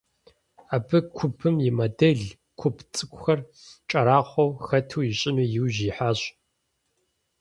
Абы кубым и модель, куб цIыкIухэр кIэрахъуэу хэту ищIыну и ужь ихьащ.